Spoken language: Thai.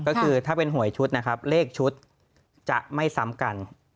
ก็คือถ้าเป็นหวยชุดนะครับเลขชุดจะไม่ซ้ำกัน